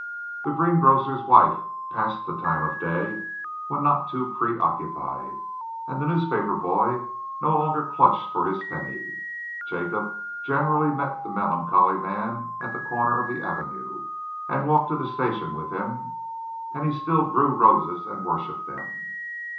The greengrocer's wife passed the time of day when not too preoccupied, and the newspaper boy no longer clutched for his penny. Jacob generally met the melancholy man at the corner of the avenue and walked to the station with him. And he still grew roses and worshipped them.